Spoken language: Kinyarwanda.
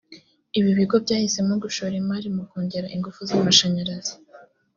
Ibi bigo byahisemo gushora imari mu kongera ingufu z’amashanyarazi